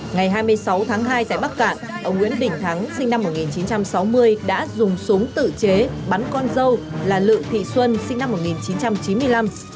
ngày hai mươi sáu tháng hai tại bắc cạn ông nguyễn đình thắng sinh năm một nghìn chín trăm sáu mươi đã dùng súng tự chế bắn con dâu là lự thị xuân sinh năm một nghìn chín trăm chín mươi năm